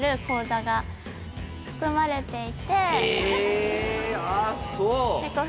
口座が含まれていてえ！